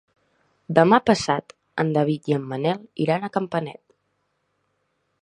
Demà passat en David i en Manel iran a Campanet.